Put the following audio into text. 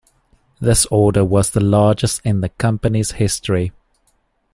This order was the largest in the company's history.